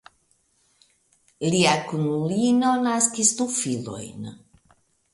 Lia kunulino naskis du filojn.